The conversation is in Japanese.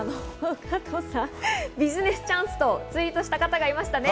加藤さん、ビジネスチャンスをツイートされた方がいましたね。